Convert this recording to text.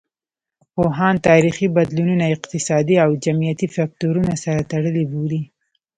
پوهان تاریخي بدلونونه اقتصادي او جمعیتي فکتورونو سره تړلي بولي.